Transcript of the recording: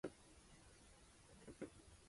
史特龙也编写并执导这部影片。